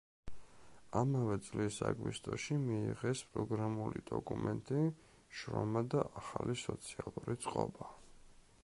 ამავე წლის აგვისტოში მიიღეს პროგრამული დოკუმენტი „შრომა და ახალი სოციალური წყობა“.